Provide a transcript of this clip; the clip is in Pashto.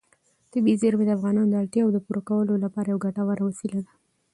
طبیعي زیرمې د افغانانو د اړتیاوو د پوره کولو لپاره یوه ګټوره وسیله ده.